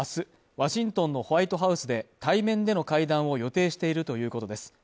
ワシントンのホワイトハウスで対面での会談を予定しているということです